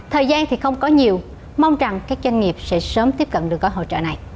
thời gian thì không có nhiều mong rằng các doanh nghiệp sẽ sớm tiếp cận được gói hỗ trợ này